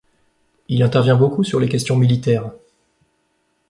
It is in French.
Il intervient beaucoup sur les questions militaires.